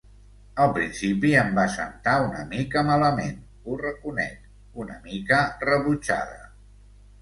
Al principi em va sentar una mica malament, ho reconec... una mica rebutjada.